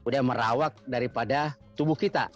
dan merawat daripada tubuh kita